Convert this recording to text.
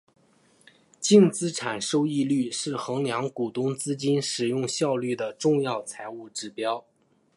净资产收益率是衡量股东资金使用效率的重要财务指标。